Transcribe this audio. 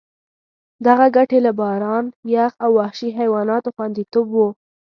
دغه ګټې له باران، یخ او وحشي حیواناتو خوندیتوب وو.